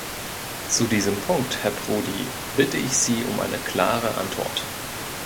Zu diesem Punkt, Herr Prodi, bitte ich Sie um eine klare Antwort.